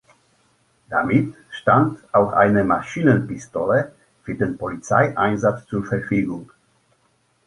Damit stand auch eine Maschinenpistole für den Polizeieinsatz zur Verfügung.